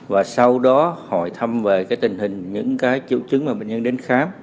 và sau đó hội thăm về cái tình hình những cái triệu chứng mà bệnh nhân đến khám